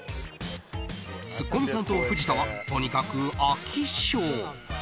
ツッコミ担当、藤田はとにかく飽き性。